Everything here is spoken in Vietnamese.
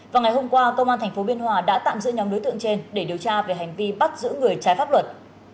vào ngày hôm qua công an tp biên hòa đã tạm giữ nhóm đối tượng trên để điều tra về hành vi bắt giữ người trái pháp luật